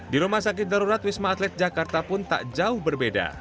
di rumah sakit darurat wisma atlet jakarta pun tak jauh berbeda